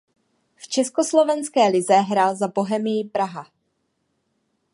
V československé lize hrál za Bohemians Praha.